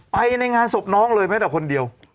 ไปในงานศพน้องเลยแม้แต่คนเดียว